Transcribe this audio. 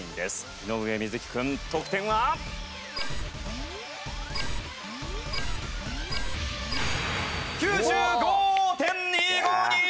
井上瑞稀くん得点は！？９５．２５２！